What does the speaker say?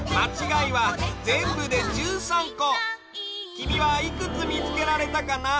きみはいくつみつけられたかな？